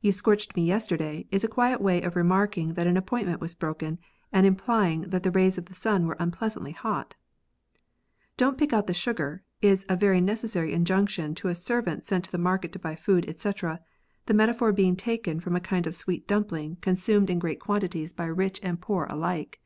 You scorched me yesterday is a quiet way of remark ing that an appointment was broken, and implying tliat the rays of the sun were unpleasantly hot. Dont pick out the sugar is a very necessary injunction to a servant sent to market to buy food, &c., the metaphor being taken from a kind of sweet dumpling consumed 66 SLANG. in great quantities by rich and poor alike.